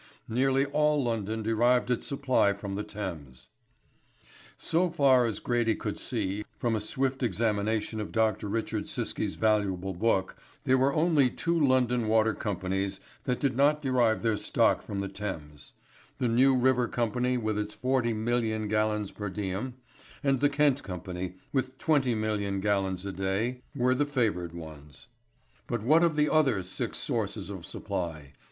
Nearly all London derived its supply from the Thames. So far as Grady could see from a swift examination of Dr. Richard Siskey's valuable book, there were only two London water companies did not derive their stock from the Thames the New River Company with its 40,000,000 gallons per diem, and the Kent Company with 20,000,000 gallons a day were the favoured ones. But what of the other six sources of supply?